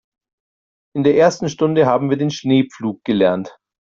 In der ersten Stunde haben wir den Schneepflug gelernt.